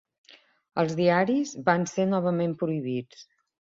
Els diaris van ser novament prohibits.